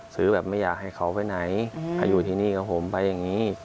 ซื้อแบบไม่อยากให้เขาไปไหนให้อยู่ที่นี่กับผมไปอย่างนี้